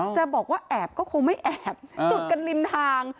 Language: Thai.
จะบอกว่าแอบก็คงไม่แอบจุดกันริมทาง